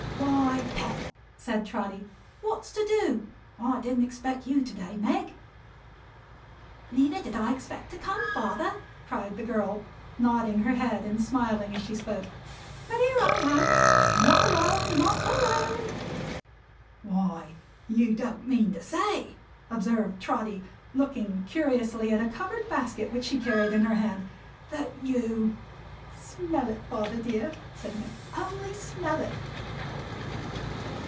"Why, Pet," said Trotty. "What's to do? I didn't expect you, to day, Meg." "Neither did I expect to come, father," cried the girl, nodding her head and smiling as she spoke. "But here I am! And not alone; not alone!" "Why you don't mean to say," observed Trotty, looking curiously at a covered basket which she carried in her hand, "that you " "Smell it, father dear," said Meg, "Only smell it!"